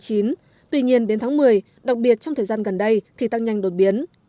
tuy nhiên đến tháng một mươi đặc biệt trong thời gian gần đây thì tăng nhanh đột biến